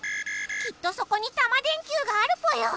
きっとそこにタマ電Ｑがあるぽよ！